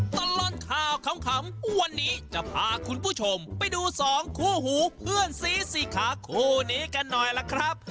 ตลอดข่าวขำวันนี้จะพาคุณผู้ชมไปดูสองคู่หูเพื่อนสีสี่ขาคู่นี้กันหน่อยล่ะครับ